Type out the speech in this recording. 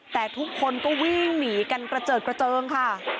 แต่ทุกคนก็วิ่งหนีกันกระเจิดกระเจิงค่ะ